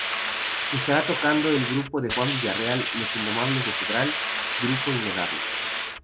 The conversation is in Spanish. Estará tocando el grupo de Juan Villareal, Los Indomables de Cedral, Grupo Innegable.